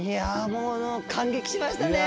もう感激しましたね。